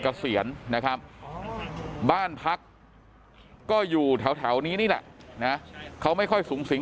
เกษียณนะครับบ้านพักก็อยู่แถวนี้นี่แหละนะเขาไม่ค่อยสูงสิง